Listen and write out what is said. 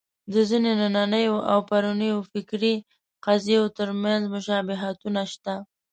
د ځینو نننیو او پرونیو فکري قضیو تر منځ مشابهتونه شته.